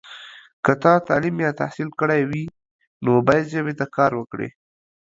که تا تعلیم یا تحصیل کړی وي، نو باید ژبې ته کار وکړې.